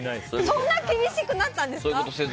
そんな厳しくなったんですか？